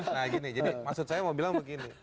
nah gini jadi maksud saya mau bilang begini